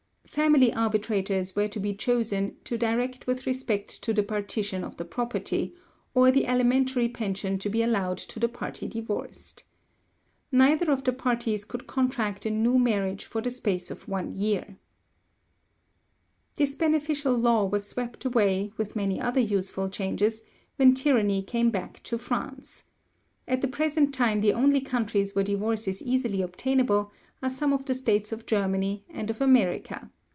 Family arbitrators were to be chosen to direct with respect to the partition of the property, or the alimentary pension to be allowed to the party divorced. Neither of the parties could contract a new marriage for the space of one year" ("Impartial History of the Late Revolution," vol. ii., pp. 179, 180). This beneficial law was swept away, with many other useful changes, when tyranny came back to France. At the present time the only countries where divorce is easily obtainable are some of the states of Germany and of America.